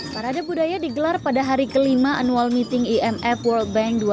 parade budaya digelar pada hari kelima annual meeting imf world bank dua ribu dua puluh